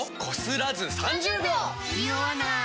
ニオわない！